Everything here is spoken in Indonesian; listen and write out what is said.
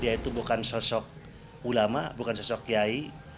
dia itu bukan sosok ulama bukan sosok kiai